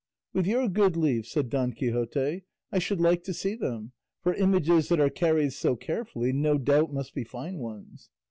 "With your good leave," said Don Quixote, "I should like to see them; for images that are carried so carefully no doubt must be fine ones."